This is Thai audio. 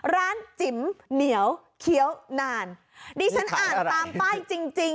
จิ๋มเหนียวเคี้ยวนานดิฉันอ่านตามป้ายจริงจริง